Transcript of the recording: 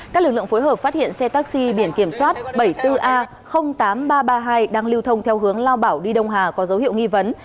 các lực lượng phối hợp phát hiện xe taxi biển kiểm soát bảy mươi bốn a tám nghìn ba trăm ba mươi hai đang lưu thông theo hướng lao bảo đi đông hà có dấu hiệu nghi vấn